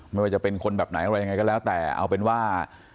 ไม่ว่าจะเป็นคนแบบไหนอะไรยังไงก็แล้วแต่เอาเป็นว่า